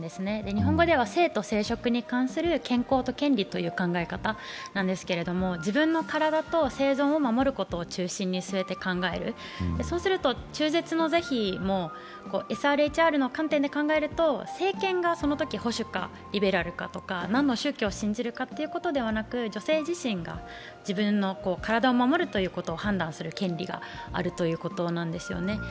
日本語は性と生殖に関する健康と権利という考え方ですが、自分の体と生存を守ることを中心に据えて考える、そうすると中絶の是非もＳＲＨＲの観点で考えると政権がそのとき保守かリベラルか、何の宗教を信じるかということではなく、女性自身が自分の体を守るということを判断する権利があるということなんですよね。